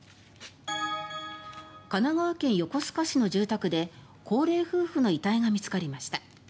神奈川県横須賀市の住宅で高齢夫婦の遺体が見つかりました。